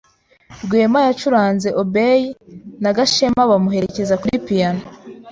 Rwema yacuranze oboe na Gashema bamuherekeza kuri piyano.